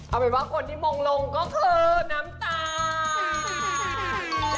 เอาเป็นว่าคนที่มงลงก็คือน้ำตาล